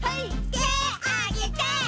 てあげて。